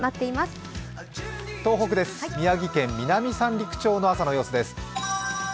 宮城県南三陸町の朝の様子です。